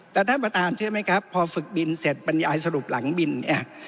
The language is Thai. แต่ท่านประธานเชื่อไหมครับพอฝึกบินเสร็จบรรยายสรุปหลังบินเนี่ย